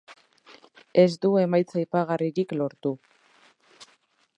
Ez du emaitza aipagarririk lortu.